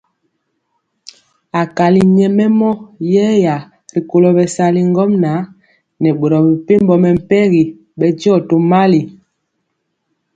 Akali nyɛmemɔ yeya rikolo bɛsali ŋgomnaŋ nɛ boro mepempɔ mɛmpegi bɛndiɔ tomali.